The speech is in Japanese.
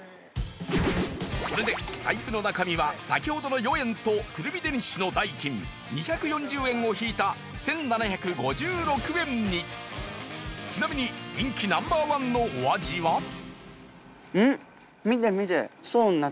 これで財布の中身は先ほどの４円とクルミデニッシュの代金２４０円を引いた１７５６円にちなみに人気Ｎｏ．１の見て見て！